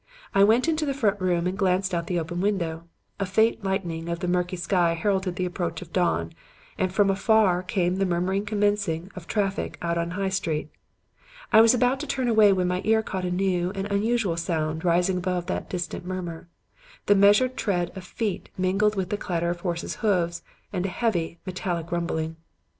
I went into the front room and glanced out of the open window. A faint lightening of the murky sky heralded the approach of dawn, and from afar came the murmur of commencing traffic out in High Street. I was about to turn away when my ear caught a new and unusual sound rising above that distant murmur; the measured tread of feet mingling with the clatter of horses' hoofs and a heavy, metallic rumbling.